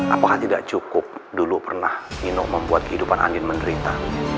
apakah tidak cukup dulu pernah minum membuat kehidupan andin menderita